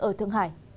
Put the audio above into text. ở thương hải